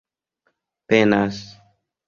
penas